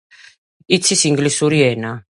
იცის ინგლისური ენა.